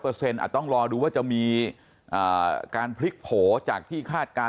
ต้องรอดูว่าจะมีการพลิกโผล่จากที่คาดการณ